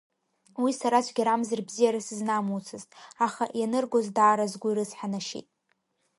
Уи сара цәгьарамзар бзиара сызнамуцызт, аха ианыргоз даара сгәы ирыцҳанашьеит.